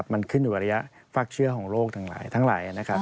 มันขึ้นอยู่กับระยะฝากเชื่อของโรคทั้งหลาย